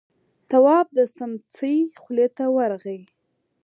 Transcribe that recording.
تواب د سمڅې خولې ته ورغی.